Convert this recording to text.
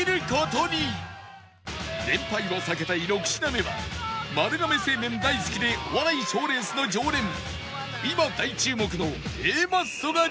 連敗は避けたい６品目は丸亀製麺大好きでお笑い賞レースの常連今大注目の Ａ マッソが挑戦